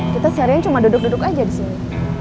kita seharian cuma duduk duduk aja disini